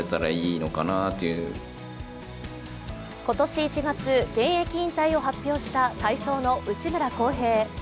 今年１月、現役引退を発表した体操の内村航平。